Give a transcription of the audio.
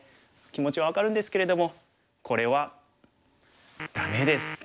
気持ちは分かるんですけれどもこれはダメです。